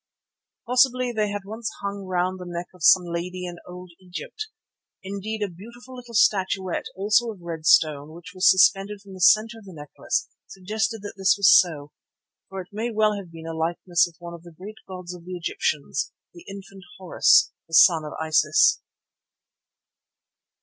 Possibly they had once hung round the neck of some lady in old Egypt. Indeed a beautiful little statuette, also of red stone, which was suspended from the centre of the necklace, suggested that this was so, for it may well have been a likeness of one of the great gods of the Egyptians, the infant Horus, the son of Isis.